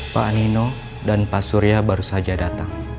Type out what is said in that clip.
pak anino dan pak surya baru saja datang